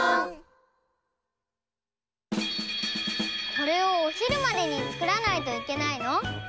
これをおひるまでにつくらないといけないの？